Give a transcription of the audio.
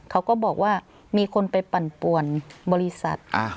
เขาก็บอกว่ามีคนไปปั่นป่วนบริษัท